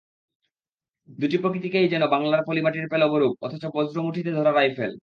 দুটি প্রতিকৃতিতেই যেন বাংলার পলিমাটির পেলব রূপ, অথচ বজ্রমুঠিতে ধরা রাইফেল।